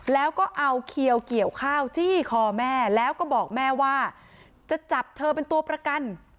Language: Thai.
แล้วก็เอาเขียวเกี่ยวข้าวจี้คอแม่แล้วก็บอกแม่ว่าจะจับเธอเป็นตัวประกัน